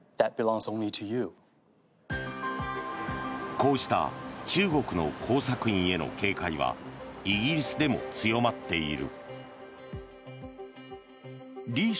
こうした中国の工作員への警戒はイギリスでも強まっている。